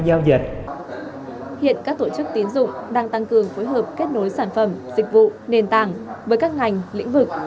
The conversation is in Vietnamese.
hiện các tổ chức tín dụng đang tăng cường phối hợp kết nối sản phẩm dịch vụ nền tảng với các ngành lĩnh vực